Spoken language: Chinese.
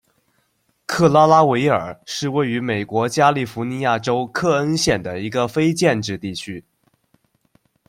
克拉拉维尔是位于美国加利福尼亚州克恩县的一个非建制地区。